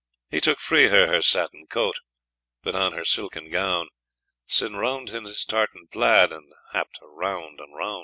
He took free her her sattin coat, But an her silken gown, Syne roud her in his tartan plaid, And happd her round and roun'.